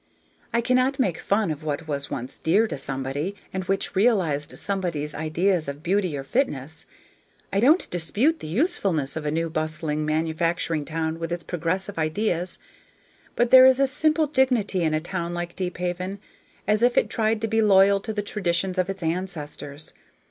I cannot make fun of what was once dear to somebody, and which realized somebody's ideas of beauty or fitness. I don't dispute the usefulness of a new, bustling, manufacturing town with its progressive ideas; but there is a simple dignity in a town like Deephaven, as if it tried to be loyal to the traditions of its ancestors.